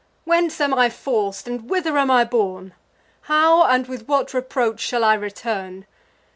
Whence am I forc'd, and whether am I borne? How, and with what reproach, shall I return?